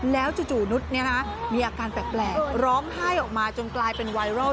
แล้วจู่นุษย์มีอาการแปลกร้องไห้ออกมาจนกลายเป็นไวรัล